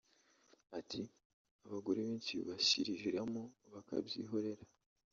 ati “abagore benshi bashiririramo bakabyihorera